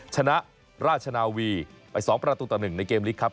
ชนะราชนาวีไปสองประตูต่อหนึ่งในเกมลีกครับ